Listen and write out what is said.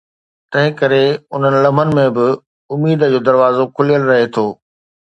تنهن ڪري انهن لمحن ۾ به، اميد جو دروازو کليل رهي ٿو.